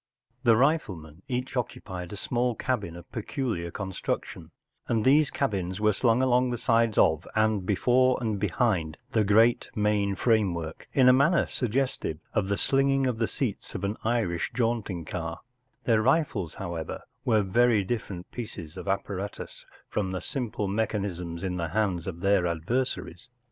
The riflemen each occu¬ pied a small cabin of peculiar construction, and these cabins were slung along the sides of and before and behind the great main framework, in a manner suggestive of the slinging of the seats of an Irish jaunting car, Their rifles, however, were very different pieces of apparatus from the simple mechanisms in the hands of their adversaries.